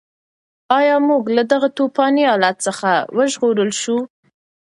ایا موږ له دغه توپاني حالت څخه وژغورل شوو؟